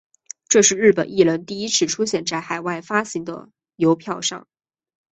这是日本艺人第一次出现在海外发行的邮票上。